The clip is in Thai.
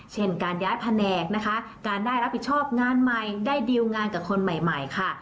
เช่นการย้ายแผนกนะคะการได้รับผิดชอบงานใหม่ได้ดีลงานกับคนใหม่ใหม่ค่ะ